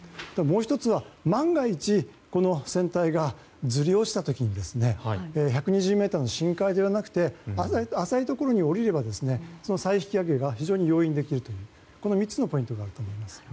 もう１つは万が一この船体がずり落ちた時に１２０ｍの深海ではなくて浅いところに下りれば再引き揚げが非常に容易にできるというこの３つのポイントがあると思います。